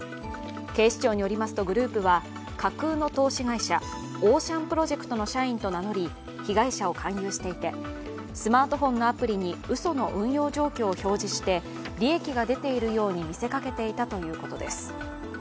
警視庁によりますと、グループは架空の投資会社、オーシャンプロジェクトの社員と名乗り被害者を勧誘していてスマートフォンのアプリにうその運用状況を表示して利益が出ているように見せかけていたということです。